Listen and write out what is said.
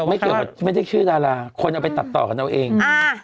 ไม่เกี่ยวกับไม่ได้ชื่อดาราคนเอาไปตัดต่อกันเอาเองอ่า